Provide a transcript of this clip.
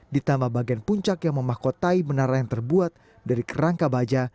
ditambah bagian puncak yang memahkotai menara yang terbuat dari kerangka baja